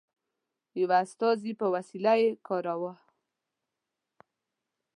یوه استازي په وسیله یې کاوه.